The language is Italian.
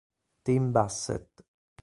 Tim Bassett